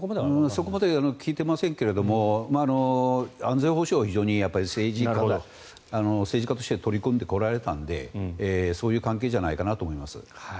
そこまで聞いていませんけど安全保障を非常に政治家として取り組んでこられたのでそういう関係じゃないかなと思います。